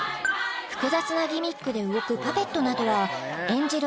複雑なギミックで動くパペットなどは演じる